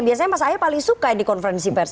biasanya mas ahaya paling suka di konferensi pers